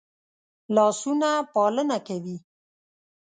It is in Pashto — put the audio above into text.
لاسونه پالنه کوي